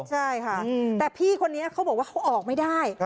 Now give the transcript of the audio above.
ใช่ค่ะแต่พี่คนนี้เขาบอกว่าเขาออกไม่ได้